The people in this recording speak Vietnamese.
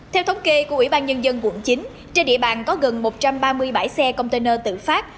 theo thống kê của ủy ban nhân dân quận chín trên địa bàn có gần một trăm ba mươi bảy xe container tự phát